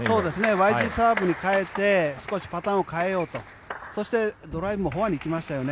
ＹＧサーブに変えて少しパターンを変えようとそして、ドライブもフォアに来ましたよね。